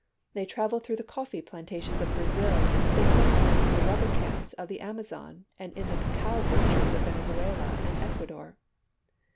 They travel through the coffee plantations of Brazil, and spend some time in the rubber camps of the Amazon and in the cacao orchards of Venezuela and Ecuador.